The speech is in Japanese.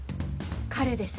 彼です。